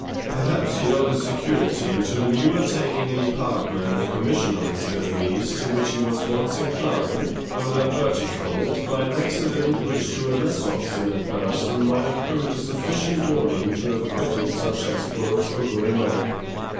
Perhaps he owed his security to the newer taking any partner in the commission of his villainies to which he was once inclined, though diverted from it by an accident which to a less obstinate person might have proved a sufficient warning to have quitted such exploits for good and all.